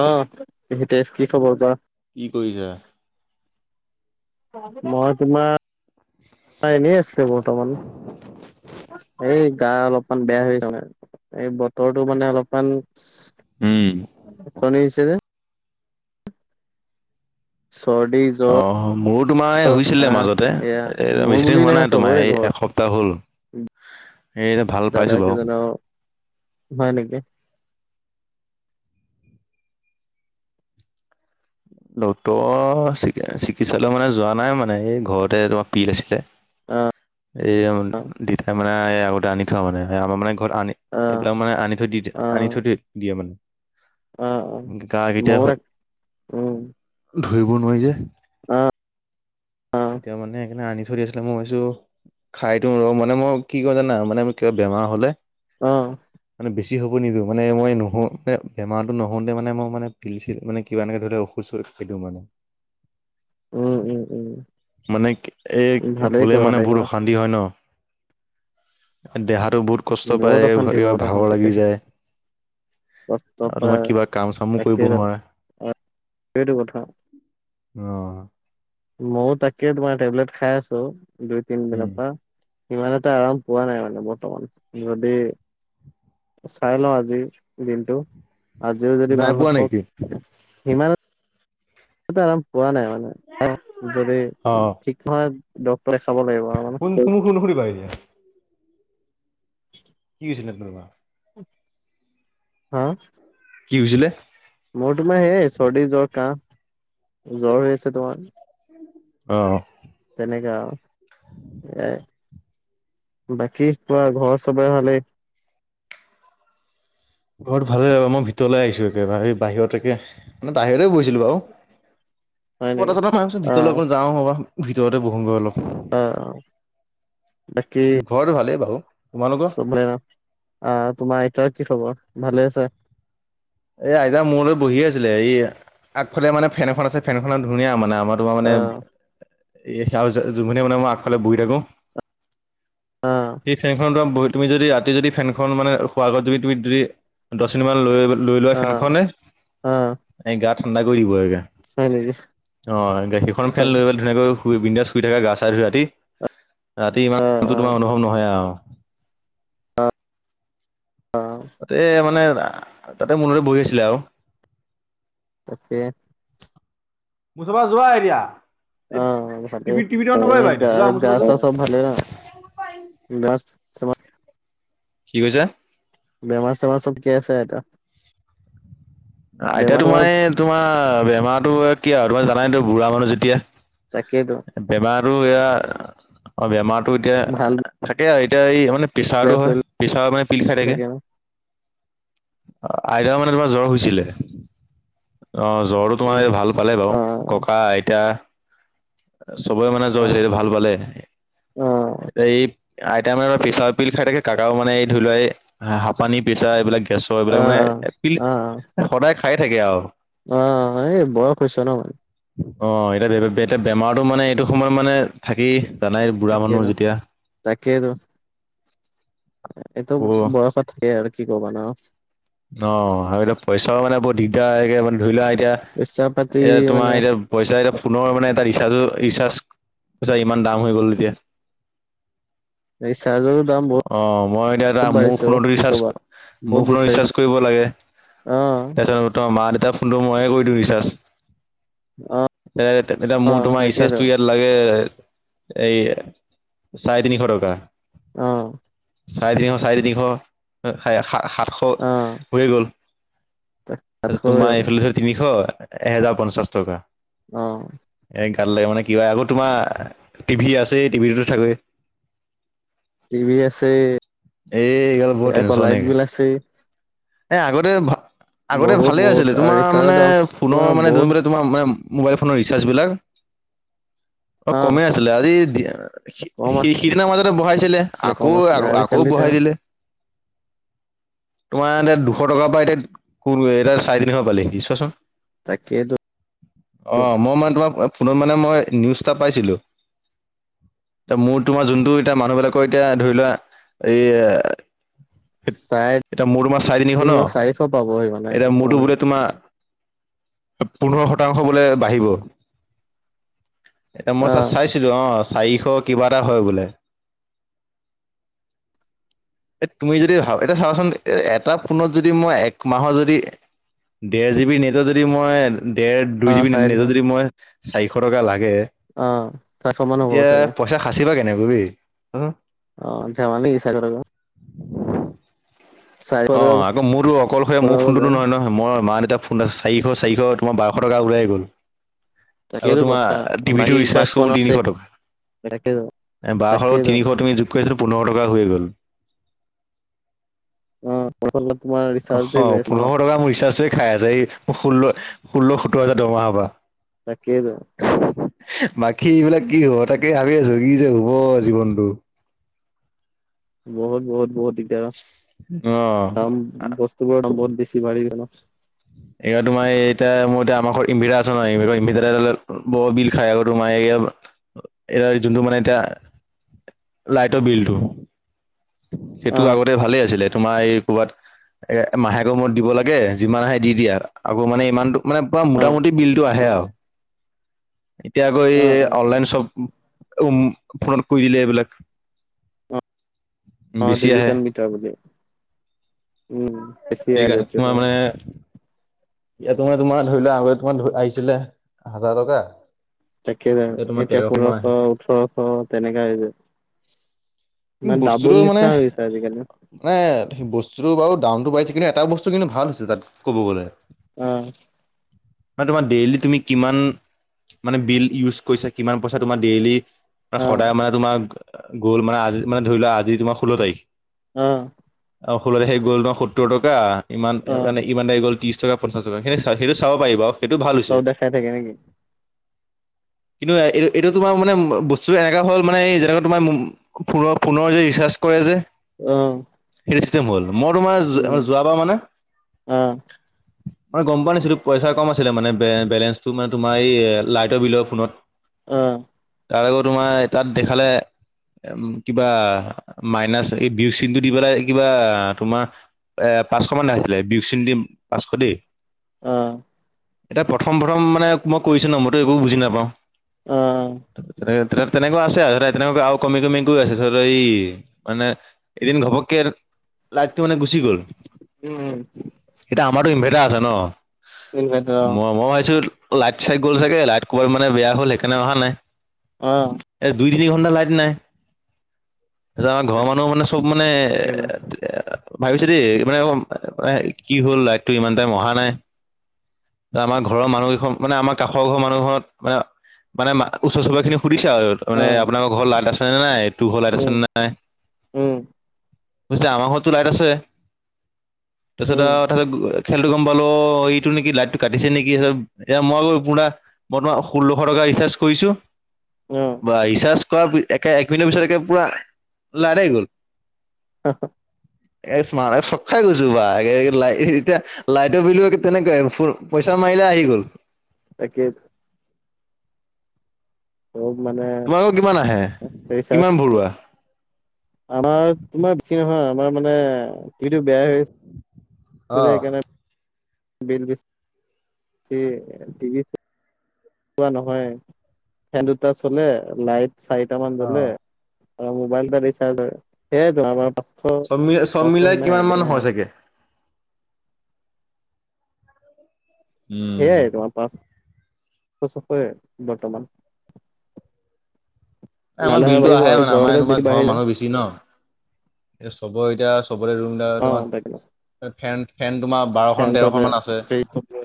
অ', হিতেশ কি খবৰ কোৱা। কি কৰিছা? মই তোমাৰ এনেই আছিলোঁ বৰ্তমান। এই গা অলপমান বেয়া হৈছে মানে এই বতৰটো মানে অলপমান উম। কনিছে যে। চৰ্দি, জ্বৰ, অ', মোৰো তোমাৰ হয়ছিলে কাহ মাজতে এয়া এ মোৰ বেছিদিন বুলি হোৱা নহয় নাই তোমাৰ চবৰে এই ঘৰত। এসপ তা হ'ল এই ভাল দা দা পাইছোঁ বাৰু। কেইজন আৰু হয় নেকি ডক্টৰ চিকিৎসালয় মানে যোৱা নাই মানে এই ঘৰতে তোমাৰ পিল আছিলে। অ', এই অ', দেউতাই মানে আগতে আনি থোৱা মানে আমাৰ মানে ঘৰত আনি অ', এইবিলাক মানে আনি দি আনি অ', থৈ দি দিয়ে মানে অ', অ'। কা কেতিয়া ময়ো হয়। তাক উম। ধৰিব নোৱাৰি যে অ', অ', এতিয়া মানে সেইকাৰণে আনি থৈ দিছোঁ। মই ভাবিছোঁ খাইদিও ৰ মানে মই কি কয় জানা মানে কিবা বেমাৰ হলে অ'। মানে বেছি হ'ব নিদিওঁ মানে মই নওঁ ম বেমাৰটো নহওঁ মে মানে পিলিছিল মানে কিবা এনেকে ধৰি ল কচৰত খাদ্য মানে। [inaudible] উম। মানে এই ভালেই হলে কৰা, মানে ভালেই বহুত কৰা। অশান্তি হয় ন। এ দেহাতো বহুত কষ্ট পায় বহুত অশান্তি, কিবা বহুত ভাগৰ অশান্তি। লাগি যায়। কষ্ট আৰু তোমাক কিবা কাম চামো কৰিব নোৱাৰে। অ', সেইটো কথা। অ'। মইও তাকে তোমাৰ টেবলেট খাই আছো, দুই তিনদিনৰ উম, পৰা। ইমানতে আৰাম পোৱা নাই মানে বৰ্তমান। যদি চাই লওঁ আজি দিনটো। আজিও যদি নাই ভাল পোৱা নাপাও নেকি? ইমান আৰাম পোৱা নাই মানে যদি অ' ঠিক নহয় ডক্টৰে খাব লাগিব আ [unintelligible] এতিয়া। [inaudible] কি হৈছিলে [unintelligible] হা। কি হৈছিলে? মোৰ তোমাৰ সেইয়ে চৰ্দি, জ্বৰ, কাহ, জ্বৰ হৈ আছে তোমাৰ। অহ। তেনেকা এ। বাকী তোমাৰ ঘৰ চবৰে ভালেই? ঘৰত ভালে ৰবা মই ভিতৰলৈ আহিছো একে বাহি বাহিৰত একে মানে তাহিৰে বহিছিলোঁ বাও। হয় মই নেকি [unintelligible] মই কৈছোঁ অ ভিতৰলৈ বল যাওঁ হব ভিতৰতে বহুংগৈ অলপ। অ', অ'। বাকী ঘৰটো ভালেই বাৰু। তোমালোকৰ চবৰে অ, আহ তোমাৰ আইতাৰ কি খবৰ ভালে আছে? এ আইতা মোৰলৈ বহি আছিলে এই আগফালে মানে ফেনখন আছে, ফেনখন ধুনীয়া মানে আমাৰ তোমাৰ অ মানে এ সেয়া জ জুবিনে মানে মই আগফালে বহি থাকো। অ সেই ফেনখনত বহি তুমি যদি ৰাতি যদি ফেনখন মানে খোৱাৰ আগত তুমি তুমি যদি দছ মিনিটমান লৈ লৈ লোৱা অ ফেনখনে, অ', এই গা ঠাণ্ডা কৰি দিব এগে। হয় নেকি? অ [unintelligible] সেইখন অ', ফেন লৈ গল ধুনীয়াকৈ শুই বিন্ধাছ শুই থাকা গা চা ধুই ৰাতি, ৰাতি অ', ইমানটো তোমাৰ অ', অনুভৱ নহয় আৰু। অঁ, অঁ। তাতে মানে আ তাতে মোৰলে বহিছিলে আৰু। তাকে। মূচফা যোৱা এতিয়া, এই অ', টিভি টিভিটো অন নকৰিবা এতিয়া যোৱা মুচফা যোৱা। সব ভালে ন [unintelligible] কি কৈছা? বেমাৰ - চেমাৰ চব কে আছে আইতা? আইতা বেমাৰ চেমাৰ তোমাৰ এই তোমাৰ বেমাৰতো কি আৰু তোমাৰ জানাতো বুঢ়া মানুহ যেতিয়া। তাকেতো। এ বেমাৰটো এয়া, অ বেমাৰতো এতিয়া ভাল থাকে আৰু এতিয়া এই মানে বেয়া পিছাৰটো হয়, চলি পিছাৰৰ মানে পিল খাই থাকে। অ, আইতা মানে তোমাৰ জ্বৰ হৈছিলে। অ, জ্বৰটো তোমাৰ উম, এ ভাল পালে বাৰু, অ', ককা আইতা। চবৰে মানে অ', ভাল পালে, অ', এ এই আইতাই মানে পিছাৰৰ পিল খাই থাকে, কাকাও মানে এই ধৰি লোৱা এ, হাঁপানি পিছাৰ এইবিলাকে গেচৰ অ', এইবিলাক মানে, পিল, অ', অ', এ সদায় খাই থাকে আৰু। অ, এই বয়স হৈছে ন। অ, এতিয়া- এতিয়া বেমাৰটো মানে এইটো সময়ত মানে থাকেই জানাই বুঢ়া মানুহ যেতিয়া। তাকেতো, এইটো অ বয়সত থাকে আৰু কি কবা ন। অ, আৰু এতিয়া পইচাও মানে বহুত দিগদাৰে মানে ধৰি লোৱা এতিয়া, পইচা পাতি এতিয়া তোমাৰ মানে এতিয়া পইচা এতিয়া ফোনৰ মানে এটা ৰিচাৰ্জৰ ৰিচাৰ্জ, পইচা ইমান দাম হৈ গ'ল এতিয়া। ৰিচাৰ্জৰো দাম বহুত অ, মই এতিয়া এটা মোৰ বাঢ়িছে অ', ফোনত কি ৰিচাৰ্জ, ক'বা মোৰ বহুত ফোনৰ ৰিচাৰ্জ বিচাৰিছে কৰিব লাগে, অ', তাৰপাছত তোমাৰ মা-দেউতাৰ ফোনটো মইয়ে কৰি দিওঁ ৰিচাৰ্জ। অ'। এ, মোৰ অ', তোমাৰ তাকেইতো ৰিচাৰ্জটো ইয়াত লাগে, এই, চাৰেতিনিশ টকা। অ। চাৰেতিনিশ চাৰেতিনিশ, সাত- সাতশ। অ', হৈ গ'ল, তাৰপিছত তাতকৈ তোমাৰ অলপ এইফালে তিনিশ, এহেজাৰ পঞ্চাশ টকা। অ। এই কালিলৈ মানে কিবা আকৌ তোমাৰ, টিভি আছে, টিভিটো থাকেই। টিভি আছে [unintelligible] এই গাল বহুত আকৌ লাইট টেনছনেই। বিল আছে। এ আগতে ভা, আগতে বহুত ভালে বহুত আছিলে। তোমাৰ ৰিচাৰ্জৰ মানে দাম ফোনৰ তোমাৰ মানে বহুত দুই তোমাৰ মানে মোবাইল ফোনৰ ৰিচাৰ্জ বিলাক, অ', কমে আছিলে আজি কম সি- সিদিনা মাজতে বঢ়াইছিলে, আছিলে কম আছিলে আকৌ- আকৌ আজিকালি বঢ়াই তেওঁ দিলে। তোমাৰ এতিয়া দুশ টকাৰ পৰা এতিয়া, দুশ টকাৰ পৰা এতিয়া, চাৰেতিনিশ পালেহি চোৱাচোন। তাকেটো। অঁ, মই মানে তোমাক ফোনত মানে মই নিউজ এটা পাইছিলোঁ। এতিয়া মোৰ তোমাৰ যোনটো এতিয়া মানুহবিলাকৰ এতিয়া ধৰি লোৱা, এই চাৰে এতিয়া মোৰ তোমাৰ চাৰেতিনিশ ন, তিনিশ চাৰিশ পাবহি মানে এতিয়া কিছুমান মোৰটো বোলে তোমাৰ পোন্ধৰ শতাংশ বোলে বাঢ়িব। এতিয়া মই তাত অ', চাইছিলোঁ। অ, চাৰিশ কিবা এটা হয় বোলে। [inaudible] এ, তুমি যদি ভাব এতিয়া চাবাচোন এ, এটা ফোনত যদি মই এক মাহৰ যদি ডেৰ জিবি নেটত যদি, মই ডেৰ দুই অ', জিবি চাৰে তিনিশ নেটত যদি মই চাৰিশ টকা লাগে। অ', চাৰিশ মান হ'ব তেতিয়া চাগে পইচা সাচিবা কেনেকৈ হেই, ওম? অ, ধেমালি মিছা কথা কয়। চাৰিশ অ, টকা আকৌ মোৰতো অকলশৰে মোৰ ভৰাব ফোনটো তো যায় নহয় নহয়। মই, মা, দেউতাৰ ফোনত চাৰিশ- চাৰিশ তোমাৰ বাৰশ টকা ওলায়েই গ'ল। আকৌ তাকেইতো তোমাৰ কথা টিভিটো বাকী ৰিচাৰ্জ বাকী কৰো ফোন আছে তিনিশ টকা। তাকেইতো এ বাৰশৰ লগত তাকেইতো তিনিশ তুমি যোগ কৰিছোৱা, পোন্ধৰশ টকা হৈয়ে গ'ল। ইফালে তোমাৰ ৰি অহ, অ, পোন্ধৰশ টকা মোৰ ৰিচাৰ্জটোৱে খাই আছে। এই মোৰ ষোল্ল- ষোল্ল সোতৰ হাজাৰ দৰমহাৰ পৰা। তাকেই টো। বাকী এইবিলাক কি হ'ব। তাকে ভাবি আছো কি যে হ'ব জীৱনটো। বহুত বহুত বহুত দিগদাৰ। দাম অঁ' বস্তুবোৰৰ দাম বহুত বেছি বাঢ়ি গল। এইয়া তোমাৰ এতিয়া মোৰ এতিয়া আমাৰ ঘৰত ইনভাৰ্টাৰ আছে ন ইনভাৰ্টাৰ ত বহুত বিল- খাই আৰু তোমাৰ এয়া এয়া যোনটো মানে এতিয়া- লাইটৰ বিলটো, সেইটো অ', আগতে ভালেই আছিলে তোমাৰ এই- ক'ৰবাত এ মাহেকৰ মূৰত দিব লাগে যিমান আহে দি দিয়ে, আকৌ মানে ইমানটো- মানে পুৰা অ', মোটামুটি বিলটো আহে অ', আও, এতিয়া আকৌ এই অ', অ', অনলাইন শ্বপ- উম ফোনত কৰি দিলে এইবিলাক। অঁ' বেছি আহে ডিজিটেল মিটাৰ বুলি উম বেছি আহে সেইকাৰণে তাৰপিছত তোমাৰ হয়। মানে এতিয়া তোমাৰ তোমাৰ ধৰি লোৱা আগতে তোমাৰ আহিছিলে এহাজাৰ টকা। তাকে, তোমাৰ এতিয়া তেৰশ মান পোন্ধৰশ আহে ওঠৰশ তেনেকা আহি যাই। কিন্তু মানে ডাবুল বস্তুটো মানে নিচিনা হৈ গৈছে আজিকালি। মানে সেই বস্তুটো বাৰু দামটো বাঢ়িছে, কিন্তু এটা বস্তু কিন্তু ভাল হৈছে তাত ক'ব গ'লে, - অঁ' মানে তোমাৰ ডেইলি তুমি কিমান মানে বিল ইউজ কৰিছা, - কিমান পইচা তোমাৰ ডেইলি বা অ', সদায় মানে তোমা- গ'ল? মানে আজি মানে ধৰি লোৱা আজি তোমাৰ ষোল্ল তাৰিখ- অঁ' অঁ ষোল্ল তাৰিখে গল ন সত্তৰ টকা ইমান অ', মানে ইমান তাৰিখে গ'ল ত্ৰিশ টকা- পঞ্চাছ টকা, সেইটো চাব পাৰি বাও সেইটো ভাল চব হৈছে। দেখাই থাকে নেকি কিন্তু এইটো এইটো তোমাৰ মানে বস্তুটো এনেকা হ'ল মানে যেনেকুৱা তোমাৰ মম- ফোনৰ ফোনৰ যে ৰিচাৰ্জ কৰে যে, - অঁ' সেইটো চিষ্টেম হল, মই তোমাৰ যোৱাবাৰ মানে- অঁ' মই গম পোৱা নাছিলো পইচা কম আছিলে মানে বে বেলেঞ্চটো মানে তোমাৰ এই লাইটৰ বিলৰ ফোনত। অঁ' তাত আকৌ তোমাৰ তাত দেখালে- কিবা মাইনাচ এই বিয়োগ চিনটো দি পেলাই এ কিবা তোমাৰ- এ পাঁচশ মান আহিছিলে, বিয়োগ চিন দি পাঁচশ দেই- অঁ' এতিয়া প্ৰথম প্ৰথম মানে মই কৰিছো ন, মইতো একো বুজি নাপাওঁ। অঁ' তেনে তেনেকুৱা আছে আৰু তেনেকা আৰু কমি কমি গৈ আছে, ধৰি এই মানে- এদিন ঘপককে লাইটটো মানে গুচি গ'ল। উম উম। ময়টো ইনভাৰ্টাৰ আছে ন, ইনভাৰ্টাৰ অ', মই মই ভাবিছোঁ- লাইট চাইট গ'ল ছাগে। লাইট ক'বাত মানে বেয়া হ'ল সেইকাৰণে অহা নাই। অঁ' এ দুই তিনি ঘণ্টা লাইট নাই। তাৰপাছত আমাৰ ঘৰৰ মানুহ মানে- চব মানে তাকেইতো এ ভাবিছে দেই মানে উম কি হ'ল লাইট? টো ইমান টাইম অহা নাই। যে আমাৰ ঘৰৰ মানুগি ঘত মানে আমাৰ কাষৰঘৰ মানুহঘৰত মানে- মানে মা ওচৰ চুবুৰীয়াখিনি সুধিছে আৰু- মানে অ', আপোনালোকৰ ঘৰত লাইট আছে নে নাই, তোৰ ঘৰত লাইট আছে উম, নে নাই? উম, কৈছে আমাৰ ঘৰতটো লাইট আছে। তাৰপিছত উম, আহ তাৰপিছত খেলতটো গম পালোঁ অ এইটো নেকি লাইটটো কাটিছে নেকি তাৰপাছত এতিয়া ময়ো পোৰা মই তোমাৰ ষোল্লশ টকা ৰিচাৰ্জ কৰিছোঁ। উম। বা ৰিচাৰ্জ কৰা পি একে এক মিনিটৰ পিছত একে পুৰা লাইট আহি গ'ল। হা হা এ স্মাৰ এ চক খাই গৈছোঁ বা এতিয়া লাইটৰ বিলো তেনেকে ফৰ পইচা মাৰিলে আহি গ'ল। তাকেই তো। চব মানে তোমালোকৰ কিমান আহে পেইচা। কিমান ভৰোৱা আমাৰ, তোমাৰ বেছি নহয় আমাৰ মানে টিভিটো বেয়া হৈ আছে। অ সেইটো সেইকাৰণে বিল বেছি চোৱা নহয়। ফেন দুটা চলে, লাইট চাৰিটামান অ জ্বলে। অ মোবাইলটা ৰিচাৰ্জ হয়। সেইয়া আমাৰ পাঁচশ, চব মিল চব ছশ মিলাই সিমানেই কিমান আৰু মান বেছি নাহে হয় আৰু। চাগে উম সেয়াই তোমাৰ পাচ শ ছয়শয়ে বৰ্তমান। ঠাণ্ডা আমাৰ দিনত বিলটো কমিব আহে আৰু, এই মানে গৰম আমাৰ দিনত তোমাৰ বেছি ঘৰৰ বাঢ়ি যায়। মানুহ বেছি ন। এ চবৰে এতিয়া চবৰে ৰুমবিলাক অ তাকে তোমাৰ ফেন ফেন তোমাৰ ফেন বাৰখন তেৰ চলে খন মান আছে। ফ্ৰিজ চলে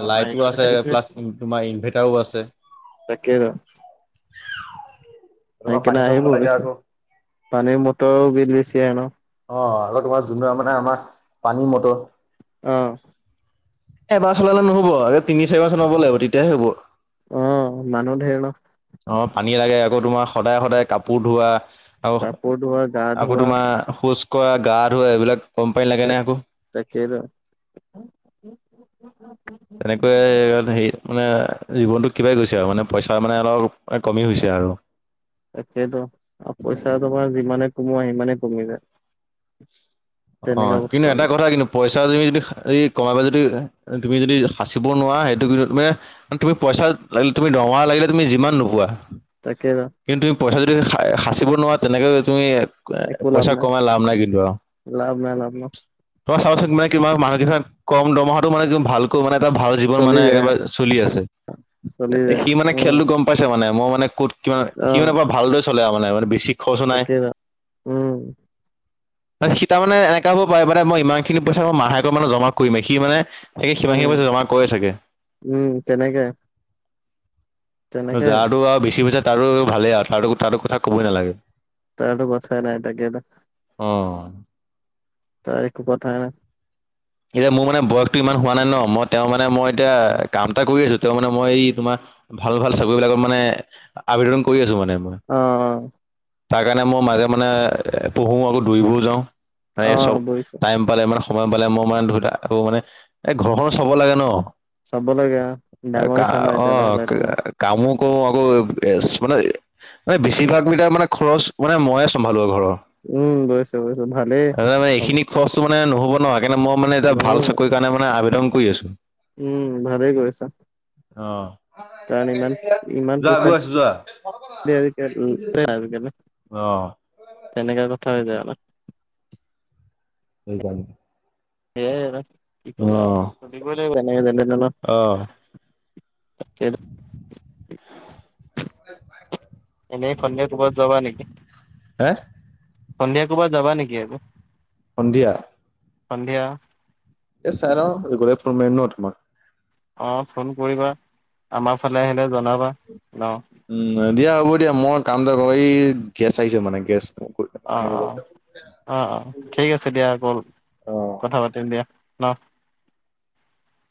অ লাইটো আছে সেইটোৱে প্লাছ তোমাৰ ইনভাৰ্টাৰো আছে। তাকেই টো সেই তোমাৰ কাৰণে পানী কেনে চলাব আহিব লাগে আবশ্য। আকৌ পানীৰ মটৰো বিল বেছি আহে ন। অ আৰু তোমাৰ যোন মানে আমাৰ পানী মটৰ। অ। এবাৰ চলালে নহব আ তিনি চাৰিবাৰ চলাব লাগিব তেতিয়াহে হ'ব। উম, মানুহ ধেৰ ন। অ, পানী লাগে আকৌ তোমাৰ সদায় সদায় কাপোৰ ধোৱা। আৰু কাপোৰ ধোৱাত আকৌ তোমাৰ শৌচ কৰা, গা ধোৱা এইবিলাক কম পানী লাগেনে আকৌ। তাকেইত। তেনেকৈয়ে মানে হেৰি মানে, জীৱনটো কিবাই গৈছে আৰু, মানে পইচা মানে অলপ কমি হৈছে আৰু। তাকেইটো আৰু পইচা তোমাৰ যিমানে কমোৱা সিমানে কমি যায়। অ, তেনেকা বস্তু কিন্তু এটা হলে কথা কিন্তু পইচা তুমি যদি, এই কমাবা যদি, তুমি যদি সাঁচিব নোৱাৰা সেইটো কিন্তু তুমি তুমি পইচা লাগিলে তুমি দৰমহা লাগিলে তুমি যিমান নোপোৱা। তাকেইটো। কিন্তু তুমি পইচা যদি সা সাঁচিব নোৱাৰা তেনেকে তুমি একো লাভ পইচা নাই কমাই লাভ নাই কিন্তু আৰু। লাভ নাই লাভ নাই। [inaudible] মানে এটা ভাল জীৱন চলি মানে যায় একেবাৰে আৰু। চলি আছে চলি যায় সি মানে উম খেলটো গম পাইছে মানে মই মানে ক'ত কি সি আহ মানে পোৰা ভালদৰে চলে আৰু মানে মানে বেছি খৰচ নাই। তাকে উম। সি তাৰানে এনেকা হব পাৰে মান মই ইমান খিনি পইচা মই মাহেকৈ মানে জমা কৰিমে সি মানে এই উম সিমানখিনি সময়ত জমা কৰে চাগে। উম, তেনেকায়ে। তই যাৰটো আৰু বেছি হৈছে তাৰো ভালেই আৰু তাৰো তাতো কথা কবই নালাগে। তেনেটো কথাই নাই তাকেতো। অ'। তাই একো কথা নাই। এতিয়া মোৰ মানে বয়সটো ইমান হোৱা নাই ন মই তেওঁ মানে মই এতিয়া কাম এটা কৰি আছো। তেওঁ মানে মই এই তোমাৰ ভাল ভাল চাকৰিবিলাকত মানে আবেদন কৰি আছো মানে। মই অ তাৰ কাৰণে মই মাজে মানে পঢ়ো আৰু দৌৰিবও যাওঁ। মই অ চব অ বুজিছো টাইম পালে মানে সময় পালে মোক [unintelligible] আকৌ মানে এই ঘৰখনো চাব লাগে ন। অ', চাব লাগে অ', ডাঙৰ কা হৈছা ন এতিয়া লাহে অ'। লাহে তুমি কামো কৰো আকৌ [unintelligible] এই বেছিভাগ মিটাৰ মানে খৰচ মানে চম্ভালো আৰু ঘৰৰ। উম, বুজিছো বুজিছো ভালেই। তাৰপিছত মানে হ'ব এইখিনি খৰচটো মানে নহ'ব ন সেইকাৰণে মই মানে এটা ভাল নহব চাকৰি কাৰণে মানে আবেদন কৰি আছো। উম, ভালেই কৰিছা। অ'। কাৰণ ইমান ইমান যোৱা পইচা গৈ আছো যোৱা [unintelligible] অ'। তেনেকা কথা হৈ যায় অলপ। সেইকাৰণে। সেয়াই আৰু কি ক'বা অ' আৰু সুধিবই লাগিব [unintelligible] অ'। [inaudible] [inaudible] এনে সন্ধিয়া ক'ৰবাত যাবা নেকি? হা? সন্ধিয়া ক'ৰবাত যাবা নেকি আকৌ? সন্ধিয়া? সন্ধিয়া। এই চাই লওঁ গ'লে ফোন মাৰিম ন তোমাক। অ', ফোন কৰিবা আমাৰ ফালে আহিলে জনাবা ন। উম, দিয়া হ'ব দিয়া মই কাম এটা কৰোএই গেছ আহিছে মানে গেছ। অ', আনিব যাওঁ। অ', অ', অ', ঠিক আছে দিয়া আকৌ অ' কথা পাতিম দিয়া ন।